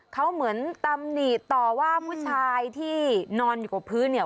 เขาเหมือนตำหนิต่อว่าผู้ชายที่โน่นอยู่ประพฤษ